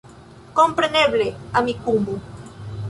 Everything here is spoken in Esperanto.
Kompreneble, Amikumu